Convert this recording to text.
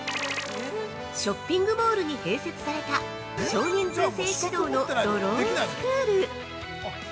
◆ショッピングモールに併設された少人数制指導の「ドローンスクール」